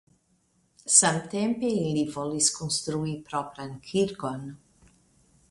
Samtempe ili volis konstrui propran kirkon.